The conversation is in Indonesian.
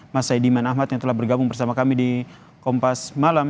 mas saidiman ahmad yang telah bergabung bersama kami di kompas malam